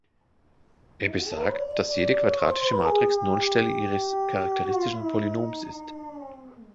Er besagt, dass jede quadratische Matrix Nullstelle ihres charakteristischen Polynoms ist.